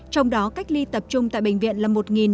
trong đó cách ly tập trung tại bệnh viện là một năm trăm linh